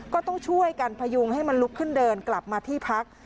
ก็ต้องช่วยกันพยุงให้มันลุกขึ้นเดินกลับมาที่พัก